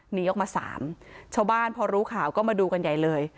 หนีออกมาสามชาวบ้านพอรู้ข่าวก็มาดูกันใหญ่เลย